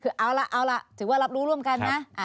เอาล่ะถือว่ารับรู้ร่วมกันนะ